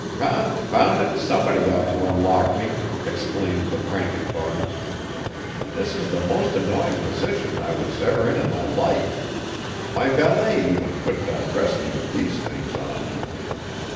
"Confound it, somebody ought to unlock me!" exclaimed the frantic Barnes. "This is the most annoying position I was ever in in my life. My valet even couldn't undress me with these things on."